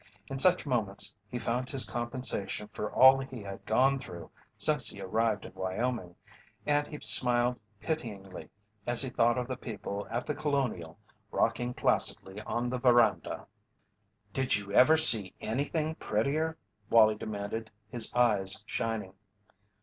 In such moments he found his compensation for all he had gone through since he arrived in Wyoming, and he smiled pityingly as he thought of the people at The Colonial, rocking placidly on the veranda. "Did you ever see anything prettier?" Wallie demanded, his eyes shining.